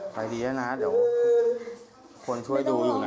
ไปดีแล้วนะเดี๋ยวคนช่วยดูอยู่นะ